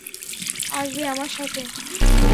আসবে আমার সাথে?